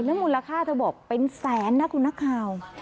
มูลค่าเธอบอกเป็นแสนนะคุณนักข่าว